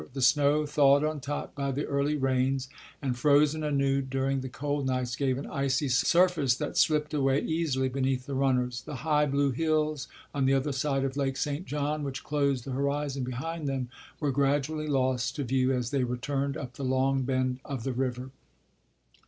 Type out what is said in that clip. The snow, thawed on top by the early rains, and frozen anew during the cold nights, gave an icy surface that slipped away easily beneath the runners. The high blue hills on the other side of Lake St. John which closed the horizon behind them were gradually lost to view as they returned up the long bend of the river.